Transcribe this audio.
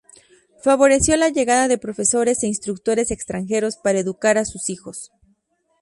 Favoreció la llegada de profesores e instructores extranjeros para educar a sus hijos.